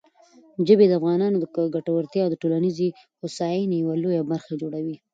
ژبې د افغانانو د ګټورتیا او ټولنیزې هوساینې یوه لویه برخه جوړوي.